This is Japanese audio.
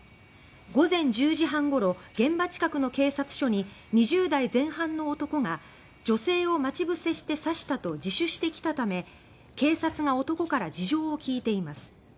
午前１０時半ごろ現場近くの警察署に２０代前半の男が「女性を待ち伏せして刺した」と自首してきたため警察が男から事情を聴いています。